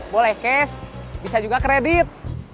boleh cash bisa juga kredit